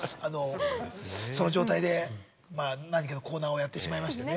その状態で何かのコーナーをやってしまいましてね。